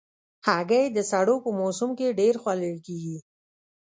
هګۍ د سړو په موسم کې ډېر خوړل کېږي.